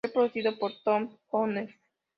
Fue producido por Tony Hoffer.